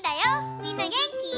みんなげんき？